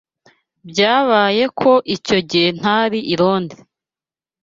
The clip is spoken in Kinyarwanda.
Byabaye ko icyo gihe ntari i Londres